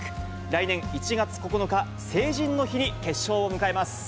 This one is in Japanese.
来年１月９日、成人の日に決勝を迎えます。